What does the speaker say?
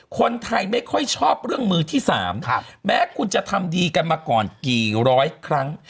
คนไทยไม่ค่อยชอบเรื่องมือที่๓แม้คุณจะทำดีกันมาก่อนกี่ร้อยครั้ง